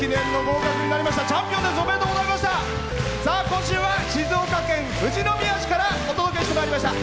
今週は静岡県富士宮市からお届けしてまいりました。